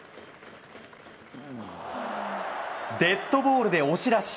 デッドボールで押し出し。